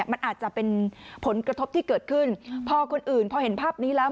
มันอาจจะเป็นผลกระทบที่เกิดขึ้นพอคนอื่นพอเห็นภาพนี้แล้ว